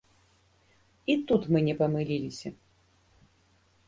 І тут мы не памыліліся.